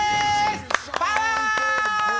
パワー！